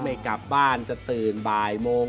ไม่กลับบ้านจะตื่นบ่ายโมง